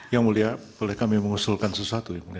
yang mulia boleh kami mengusulkan sesuatu